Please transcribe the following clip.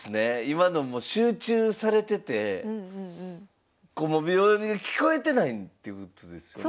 今のも集中されてて秒読みが聞こえてないっていうことですよね？